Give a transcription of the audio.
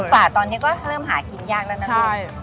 หมูปลาตอนนี้ก็เริ่มหากินยากแล้วนะหนู